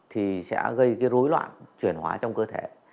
thì sẽ gây cái rối loạn chuyển hóa trong cơ thể